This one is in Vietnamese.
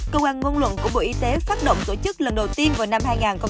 công an ngôn luận của bộ y tế phát động tổ chức lần đầu tiên vào năm hai nghìn hai mươi ba